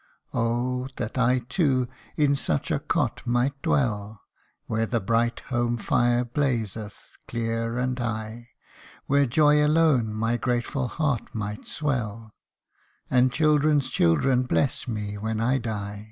" Oh ! that I too, in such a cot might dwell ! Where the bright homefire blazeth clear and high : Where joy alone my grateful heart might swell, And children's children bless me when I die